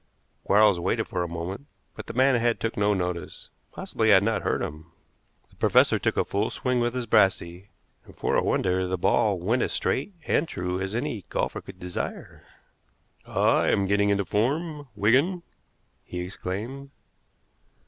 Quarles waited for a moment, but the man ahead took no notice, possibly had not heard him. The professor took a fall swing with his brassey, and, for a wonder, the ball went as straight and true as any golfer could desire. "Ah! I am getting into form, Wigan," he exclaimed.